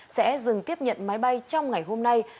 sẽ dừng tiếp nhận máy bay trong ngày hôm nay